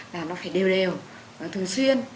là nó phải đều đều thường xuyên